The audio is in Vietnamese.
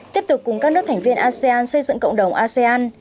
tiếp tục cùng các nước thành viên asean xây dựng cộng đồng asean